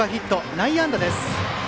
内野安打です。